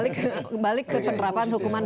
berizin faktanya mengajukan gerasi kan hukumnya